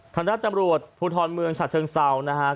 ทางรัฐตำรวจภูทรเมืองชาติเชิงเศร้านะครับ